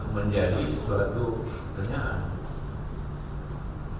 kalau keadaan kritis justru dibutuhkan pemerintahan